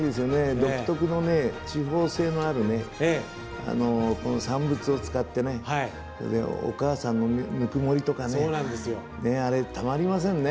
独特の地方性のある産物を使ってねお母さんのぬくもりとかねあれ、たまりませんね。